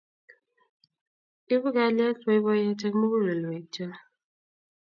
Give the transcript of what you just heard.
Ipu kalyet boiboiyet eng mugulelwek cho